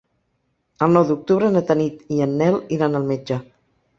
El nou d'octubre na Tanit i en Nel iran al metge.